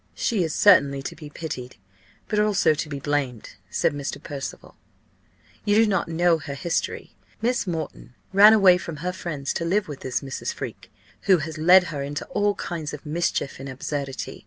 "She is certainly to be pitied, but also to be blamed," said Mr. Percival. "You do not know her history. Miss Moreton ran away from her friends to live with this Mrs. Freke, who has led her into all kinds of mischief and absurdity.